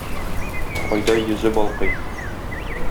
Айдай йөзе балкый